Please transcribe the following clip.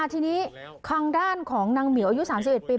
ทีนี้ทางด้านของนางเหมียวอายุ๓๑ปี